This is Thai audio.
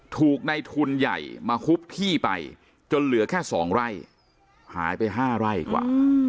ถูกในทุนใหญ่มาฮุบที่ไปจนเหลือแค่๒ไร่หายไป๕ไร่กว่า